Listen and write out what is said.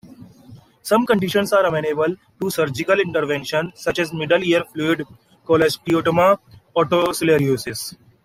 Some conditions are amenable to surgical intervention such as middle ear fluid, cholesteatoma, otosclerosis.